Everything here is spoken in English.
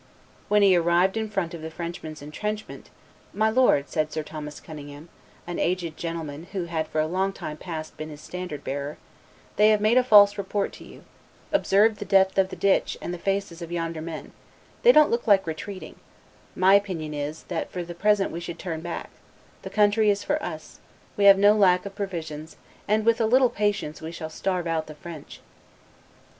When he arrived in front of the Frenchmen's intrenchment, "My lord," said Sir Thomas Cunningham, an aged gentleman who had for a long time past been his standard bearer, "they have made a false report to you; observe the depth of the ditch and the faces of yonder men; they don't look like retreating; my opinion is, that for the present we should turn back; the country is for us, we have no lack of provisions, and with a little patience we shall starve out the French."